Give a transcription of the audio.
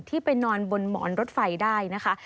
ไปนอนบนหมอนรถไฟได้นะคะ